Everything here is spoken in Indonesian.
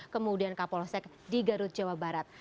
kemudian kapolsek di garut jawa barat